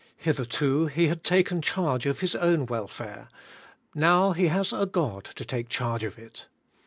Hitherto he had taken charge of his own welfare; now he has a God to take charge of it.